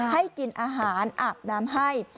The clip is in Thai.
ให้กินอาหารอาบน้ำให้